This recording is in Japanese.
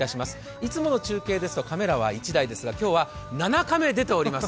いつもの中継ですとカメラは１台ですが今日は７カメ出ております。